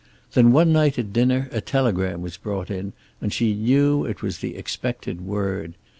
Then, one night at dinner, a telegram was brought in, and she knew it was the expected word.